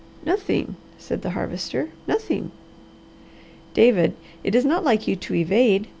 "Nothing!" said the Harvester. "Nothing!" "David, it is not like you to evade.